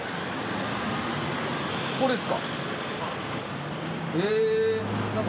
ここですか。